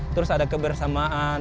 terus ada kebersamaan